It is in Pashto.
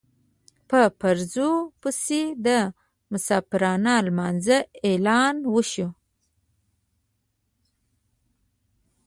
په فرضو پسې د مسافرانه لمانځه اعلان وشو.